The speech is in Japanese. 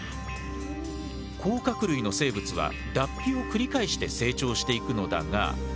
甲殻類の生物は脱皮を繰り返して成長していくのだが。